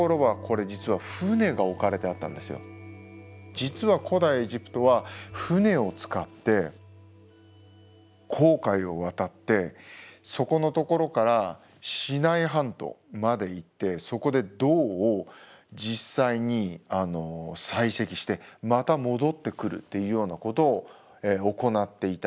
実は古代エジプトは船を使って紅海を渡ってそこのところからシナイ半島まで行ってそこで銅を実際に採石してまた戻ってくるっていうようなことを行っていた。